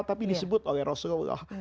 tapi disebut oleh rasulullah